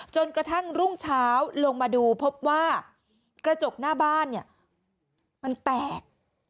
จนกระทั่งรุ่งเช้าลงมาดูพบว่ากระจกหน้าบ้านเนี่ยมันแตก